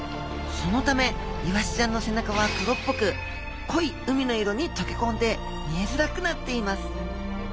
そのためイワシちゃんの背中は黒っぽくこい海の色にとけこんで見えづらくなっています